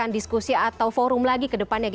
diskusi atau forum lagi ke depannya